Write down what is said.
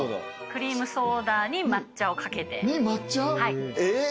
クリームソーダに抹茶を掛けて。に抹茶？え！